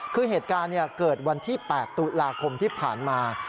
คือเหตุการณ์เกิดวันที่๘ตุลาคมที่ผ่านมา